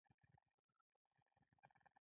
ځنګل د باران اوبو ساتلو کې مرسته کوي